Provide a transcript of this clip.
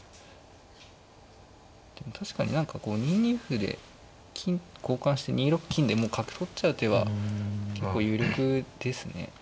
でも確かに何かこう２二歩で金交換して２六金でもう角取っちゃう手は結構有力ですね。